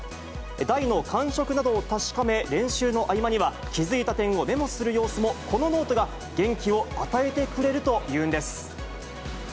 台の感触などを確かめ、練習の合間には気付いた点をメモする様子も、このノートが元気を与えてくれるというんです。